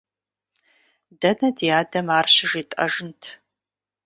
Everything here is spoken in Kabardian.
Дэнэ ди адэм ар щыжетӀэжынт!